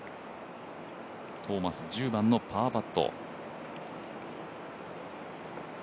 トーマス、１０番のパーパット。